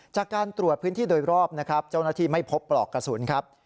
จากการตรวจพื้นที่โดยรอบนะครับเจ้าหน้าที่ไม่พบปลอกกระสุนครับ